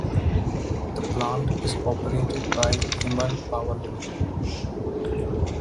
The plant is operated by Himal Power Limited.